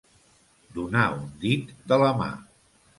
Donar un dit de la mà.